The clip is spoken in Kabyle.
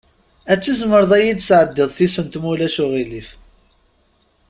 Ad tizmireḍ ad iyi-d-tesɛeddiḍ tisent, ma ulac aɣilif?